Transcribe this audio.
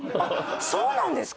あっそうなんですか